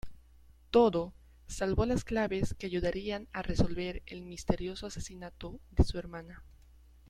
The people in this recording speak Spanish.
Todo, salvo las claves que ayudarían a resolver el misterioso asesinato de su hermana.